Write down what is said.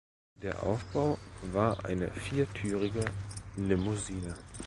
Der Aufbau war eine viertürige Limousine.